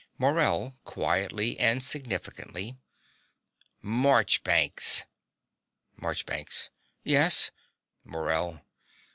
MORELL (quietly and significantly). Marchbanks! MARCHBANKS. Yes. MORELL.